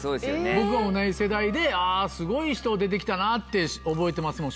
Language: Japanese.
僕は同じ世代であぁすごい人出て来たなって覚えてますもん。